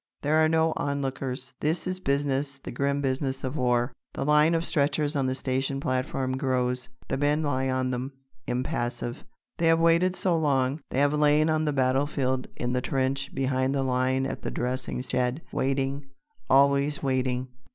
There are no onlookers. This is business, the grim business of war. The line of stretchers on the station platform grows. The men lie on them, impassive. They have waited so long. They have lain on the battlefield, in the trench, behind the line at the dressing shed, waiting, always waiting.